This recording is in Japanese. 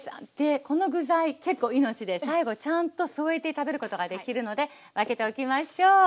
この具材結構命で最後ちゃんと添えて食べることができるので分けておきましょう。